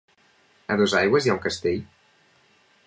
A Dosaigües hi ha un castell?